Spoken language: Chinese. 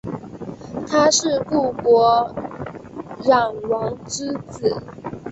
他是故国壤王之子。